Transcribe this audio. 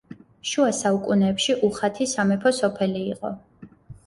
შუა საუკუნეებში უხათი სამეფო სოფელი იყო.